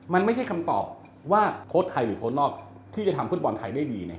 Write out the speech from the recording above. มันไม่ใช่คำตอบว่าโค้ชไทยหรือโค้ดนอกที่จะทำฟุตบอลไทยได้ดี